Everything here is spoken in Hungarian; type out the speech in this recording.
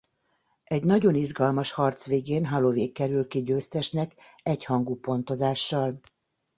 Egy nagyon izgalmas harc végén Holloway került ki győztesnek egyhangú pontozással.